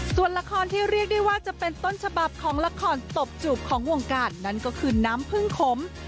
ส่วนละครที่เรียกได้ว่าจะเป็นต้นฉบับของละครตบจูบของวงการนั่นก็คือน้ำพึ่งขม